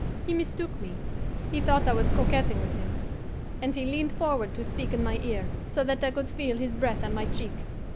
"He mistook me; he thought I was coquetting with him, and he leaned forward to speak in my ear, so that I could feel his breath on my cheek.